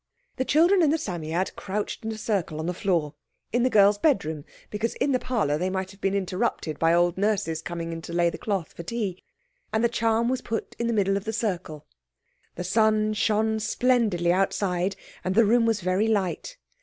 The children and the Psammead crouched in a circle on the floor—in the girls' bedroom, because in the parlour they might have been interrupted by old Nurse's coming in to lay the cloth for tea—and the charm was put in the middle of the circle. The sun shone splendidly outside, and the room was very light.